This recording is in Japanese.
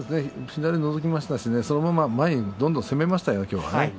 左がのぞきましたけれどもそのまま前にどんどん攻めましたよね。